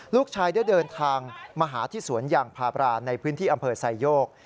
ลูกชายได้เดินทางมาหาที่สวนยางพาบรานในพื้นที่อำเภอไซโยก